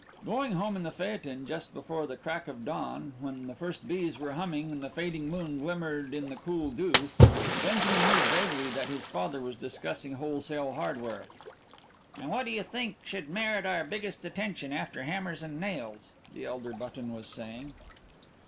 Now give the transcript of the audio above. Going home in the phaeton just before the crack of dawn, when the first bees were humming and the fading moon glimmered in the cool dew, Benjamin knew vaguely that his father was discussing wholesale hardware. ".... And what do you think should merit our biggest attention after hammers and nails?" the elder Button was saying.